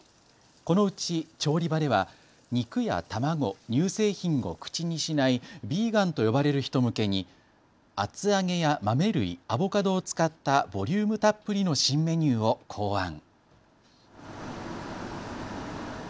このうち調理場では肉や卵、乳製品を口にしないヴィーガンと呼ばれる人向けに厚揚げや豆類、アボカドを使ったボリュームたっぷりの新メニューを考案。